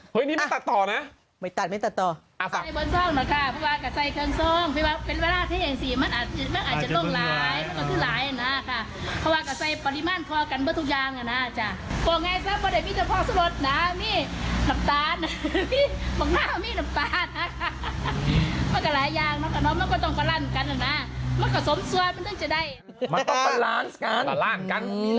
เฮ้ยนี้ไม่ตัดต่อนะไม่ตัดไม่ตัดต่อเช้าะแดดพี่ท่าน